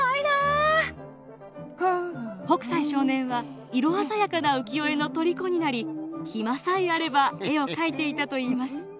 北斎少年は色鮮やかな浮世絵のとりこになり暇さえあれば絵を描いていたといいます。